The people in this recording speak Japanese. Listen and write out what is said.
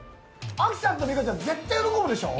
亜紀さんと美佳ちゃん、絶対喜ぶでしょう。